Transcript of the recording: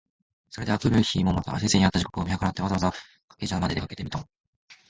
それで翌日（あくるひ）もまた先生に会った時刻を見計らって、わざわざ掛茶屋（かけぢゃや）まで出かけてみた。